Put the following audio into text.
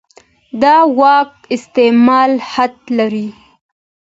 د واک استعمال حد لري